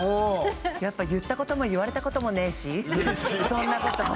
やっぱ言ったことも言われたこともねしそんなこと。